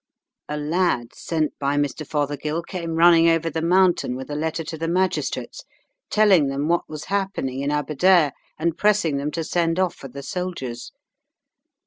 "A lad sent by Mr. Fothergill came running over the mountain with a letter to the magistrates, telling them what was happening in Aberdare, and pressing them to send off for the soldiers.